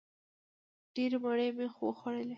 ډېرې مڼې مې وخوړلې!